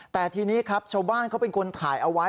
แต่ทีนี้ครับชาวบ้านเขาเป็นคนถ่ายเอาไว้